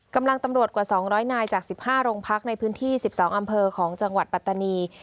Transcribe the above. ตำรวจกว่า๒๐๐นายจาก๑๕โรงพักในพื้นที่๑๒อำเภอของจังหวัดปัตตานี